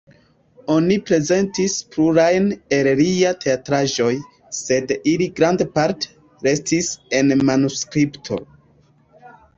Oni prezentis plurajn el liaj teatraĵoj, sed ili grandparte restis en manuskripto.